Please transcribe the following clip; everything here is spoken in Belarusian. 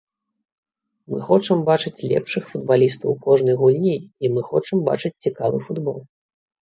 Мы хочам бачыць лепшых футбалістаў у кожнай гульні і мы хочам бачыць цікавы футбол.